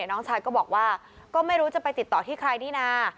น้องชายก็บอกว่าก็ไม่รู้จะไปติดต่อที่ใครนี่นะ